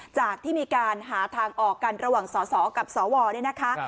จากที่มีการหาทางออกกันระหว่างสสกับสวเนี่ยนะคะ